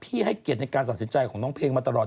ให้เกียรติในการตัดสินใจของน้องเพลงมาตลอด